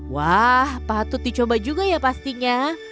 wah patut dicoba juga ya pastinya